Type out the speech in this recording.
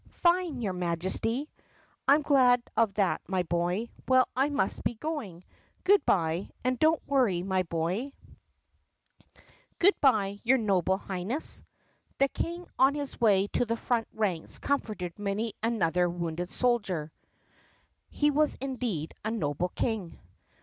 "Fine, your Majesty!" "I 'm glad of that, my boy. Well, I must be going. Good by. And don't worry, my boy!" THE PUSSYCAT PRINCESS 143 "Good by, your Noble Highness !" The King on his way to the front ranks comforted many another wounded soldier. He was indeed a noble King.